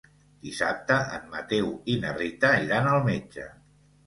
Dissabte en Mateu i na Rita iran al metge.